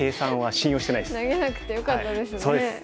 投げなくてよかったですね。